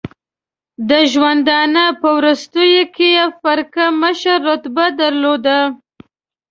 د ژوندانه په وروستیو کې یې فرقه مشر رتبه درلوده.